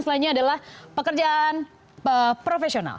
slide nya adalah pekerjaan profesional